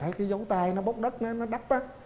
thấy cái dấu tay nó bốc đất nó đắp á